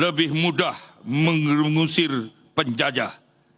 lebih mudah mengusir penjajah